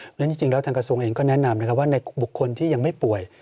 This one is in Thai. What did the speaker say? เพราะฉะนั้นจริงแล้วทางกระทรวงเองก็แนะนำนะครับว่าในบุคคลที่ยังไม่ป่วย